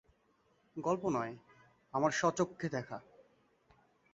গল্প নয়, আমার স্বচক্ষে দেখা।